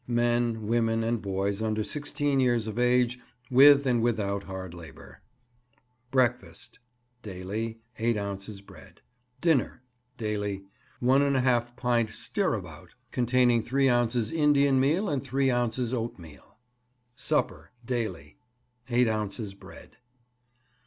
MEN, WOMEN, AND BOYS UNDER SIXTEEN YEARS OF AGE, WITH AND WITHOUT HARD LABOUR. Breakfast Daily 8 ounces bread. Dinner Daily 1½ pint stirabout (containing 3 ounces Indian meal and 3 ounces oatmeal). Supper Daily 8 ounces bread.